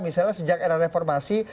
misalnya sejak era reformasi